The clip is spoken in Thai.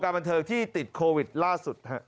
บันเทิงที่ติดโควิดล่าสุด